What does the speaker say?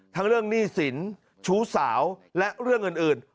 ทั้งเรื่องหนี้สินชู้สาวและเรื่องอื่น